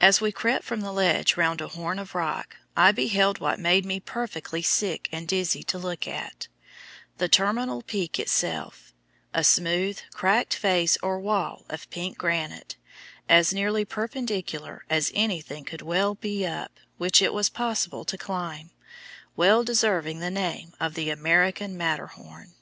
As we crept from the ledge round a horn of rock I beheld what made me perfectly sick and dizzy to look at the terminal Peak itself a smooth, cracked face or wall of pink granite, as nearly perpendicular as anything could well be up which it was possible to climb, well deserving the name of the "American Matterhorn."